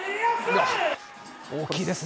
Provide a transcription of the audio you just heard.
大きいですね。